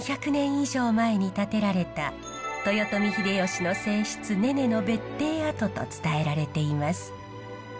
以上前に建てられた豊臣秀吉の正室ねねの別邸跡と伝えられています。